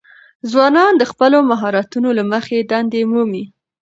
ځوانان د خپلو مهارتونو له مخې دندې مومي.